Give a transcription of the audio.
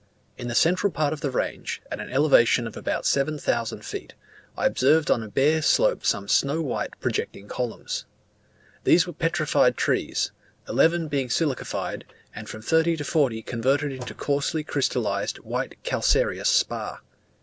In the central part of the range, at an elevation of about seven thousand feet, I observed on a bare slope some snow white projecting columns. These were petrified trees, eleven being silicified, and from thirty to forty converted into coarsely crystallized white calcareous spar.